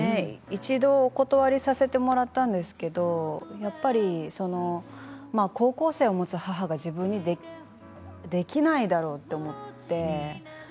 一度お断りさせてもらったんですけれどやっぱり高校生を持つ母が自分にできないだろうと思って。